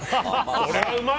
これはうまい！